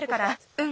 うん。